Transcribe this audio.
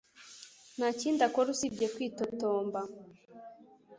Nta kindi akora usibye kwitotomba